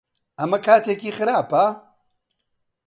ئەمە کاتێکی خراپە؟